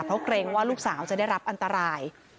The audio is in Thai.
เพราะเกรงว่าลูกสาวจะได้รับอันตราย